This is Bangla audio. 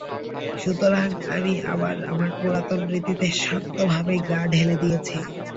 সুতরাং আমি আবার আমার পুরাতন রীতিতে শান্তভাবে গা ঢেলে দিয়েছি।